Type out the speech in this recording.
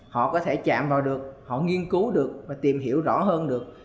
họ có thể chạm vào được họ nghiên cứu được và tìm hiểu rõ hơn được